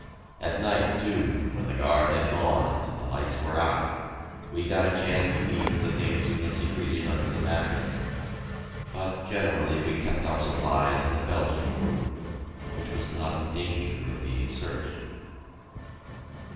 At night, too, when the guard had gone and the lights were out, we got a chance to eat the things we had secreted under the mattress; but generally we kept our supplies in the Belgians' room, which was not in danger of being searched.